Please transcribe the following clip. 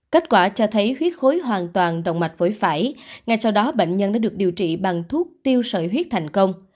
kết quả cho thấy huyết khối hoàn toàn động mạch phổi phải ngay sau đó bệnh nhân đã được điều trị bằng thuốc tiêu sợi huyết thành công